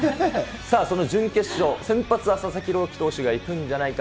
その準決勝、先発は佐々木投手がいくんじゃないか。